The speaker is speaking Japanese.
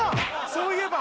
そういえば！